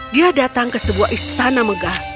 dia datang ke sebuah istana megah